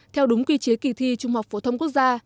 theo đúng quy chế kỳ thi trung học phổ thông quốc gia